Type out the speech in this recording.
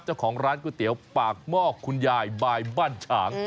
เจ้าของร้านก๋วยเตี๋ยวปากหม้อคุณยายบายบ้านฉาง